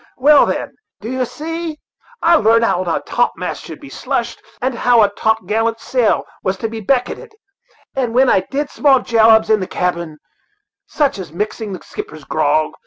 Well, then, d'ye see, I larnt how a topmast should be slushed, and how a topgallant sail was to be becketted; and then I did small jobs in the cabin, such as mixing the skipper's grog.